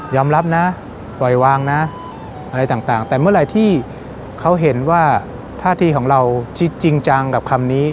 รับนะปล่อยวางนะอะไรต่างแต่เมื่อไหร่ที่เขาเห็นว่าท่าทีของเราที่จริงจังกับคำนี้